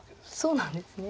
そうなんですね。